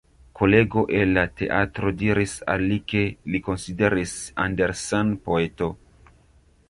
Kolego el la teatro diris al li ke li konsideris Andersen poeto.